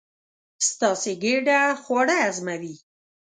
ستاسې ګېډه خواړه هضموي.